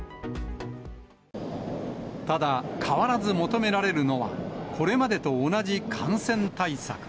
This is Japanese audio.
ただ、変わらず求められるのは、これまでと同じ感染対策。